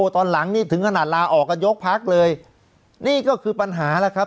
ตอนหลังนี่ถึงขนาดลาออกกันยกพักเลยนี่ก็คือปัญหาแล้วครับ